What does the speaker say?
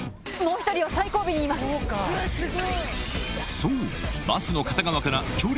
そう！